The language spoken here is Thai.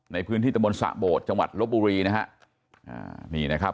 ในพื้นที่ตะมนต์สะโบดจังหวัดลบบุรีนะฮะอ่านี่นะครับ